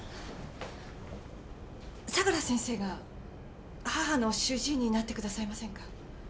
相良先生が母の主治医になってくださいませんか？